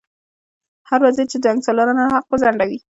هر وزیر چې د جنګسالارانو حق وځنډوي.